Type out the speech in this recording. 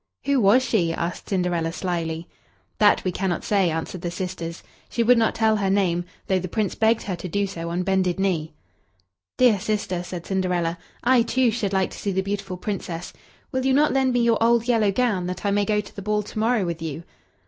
"Who was she?" asked Cinderella slyly. "That we cannot say," answered the sisters. "She would not tell her name, though the Prince begged her to do so on bended knee." "Dear sister," said Cinderella, "I, too, should like to see the beautiful Princess. Will you not lend me your old yellow gown, that I may go to the ball to morrow with you?"